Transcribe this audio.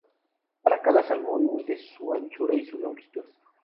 Para cada salmón mide su anchura y su longitud.